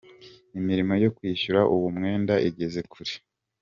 Imirimo yo kwishyura uwo mwenda igeze kure.